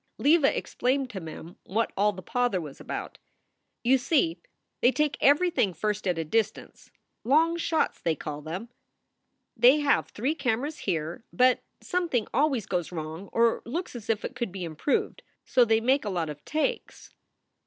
Leva explained to Mem what all the pother was about: "You see, they take everything first at a distance long shots, they call them. They have three cameras here, but something always goes wrong, or looks as if it could be improved; so they make a lot of takes.